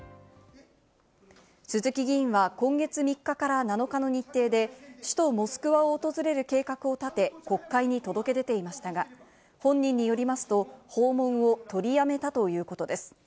鈴木議員は今月３日から７日の日程で首都モスクワを訪れる計画を立て、国会に届け出ていましたが、本人によりますと、訪問を取りやめたということです。